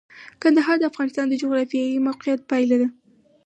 کندهار د افغانستان د جغرافیایي موقیعت پایله ده.